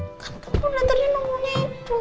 kamu sudah cari yang lain